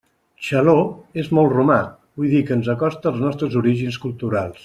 Xaló és molt romà, vull dir que ens acosta als nostres orígens culturals.